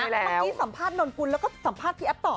เมื่อกี้สัมภาษณ์นนกุลแล้วก็สัมภาษณ์พี่แอฟต่อ